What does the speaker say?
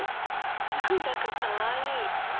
なんだかかわいい。